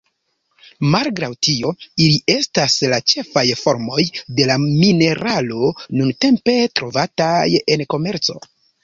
Malgraŭ tio, ili estas la ĉefaj formoj de la mineralo nuntempe trovataj en komerco.